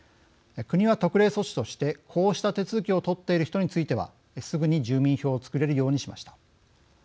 国は、特例措置としてこうした手続きを取っている人についてはすぐに住民票を作れるようにしました。